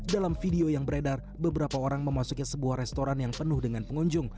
dalam video yang beredar beberapa orang memasuki sebuah restoran yang penuh dengan pengunjung